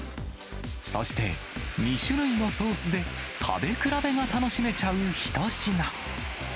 そして、２種類のソースで、食べ比べが楽しめちゃう一品。